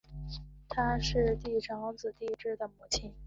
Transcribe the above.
她是帝喾长子帝挚的母亲。